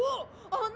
あの。